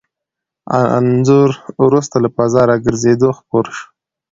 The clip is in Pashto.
انځور وروسته له فضا راګرځېدو خپور شو.